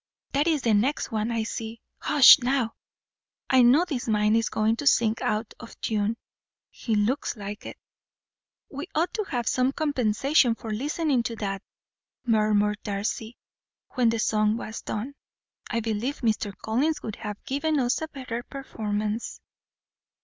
"That is the next one, I see. Hush, now! I know this man is going to sing out of tune. He looks like it." "We ought to have some compensation for listening to that," murmured Darcy, when the song was done. "I believe Mr. Collins would have given us a better performance."